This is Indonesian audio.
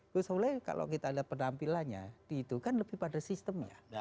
gus soleh kalau kita lihat penampilannya di itu kan lebih pada sistemnya